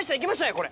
これ。